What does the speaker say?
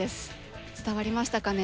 伝わりましたかね。